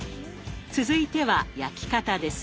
続いては焼き方です。